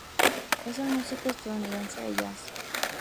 Es un músico estadounidense de jazz.